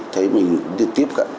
thấy mình tiếp cận